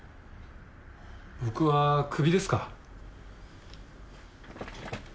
僕はクビですか？